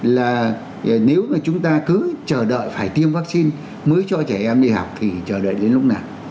là nếu mà chúng ta cứ chờ đợi phải tiêm vắc xin mới cho trẻ em đi học thì chờ đợi đến lúc nào